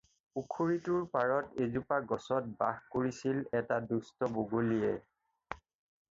পুখুৰীটোৰ পাৰৰ এজোপা গছত বাস কৰিছিল এটা দুষ্ট বগলীয়ে।